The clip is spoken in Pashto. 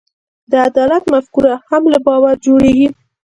د عدالت مفکوره هم له باور جوړېږي.